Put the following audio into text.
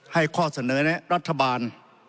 ให้ข้อเสนอในรัฐบาล